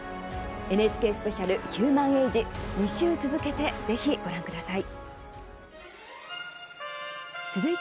ＮＨＫスペシャル「ヒューマンエイジ」２週続けて、ぜひご覧ください。